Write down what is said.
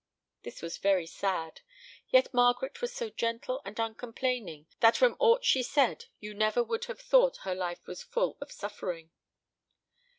This was very sad; yet Margaret was so gentle and uncomplaining that from aught she said you never would have thought her life was full of suffering.